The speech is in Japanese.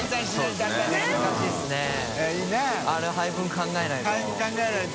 中島）あれ配分考えないと。